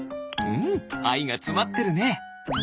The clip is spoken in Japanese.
うんあいがつまってるね。